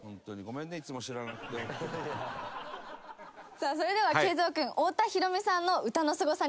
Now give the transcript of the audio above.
さあそれでは桂三君太田裕美さんので太田裕美さん